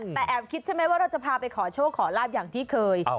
แต่แอบคิดใช่ไหมว่าเราจะพาไปขอโชคขอลาบอย่างที่เคย